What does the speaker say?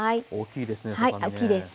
大きいですね